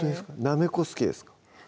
なめこ好きです